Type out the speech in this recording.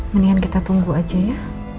mendingan kita tunggu aja ya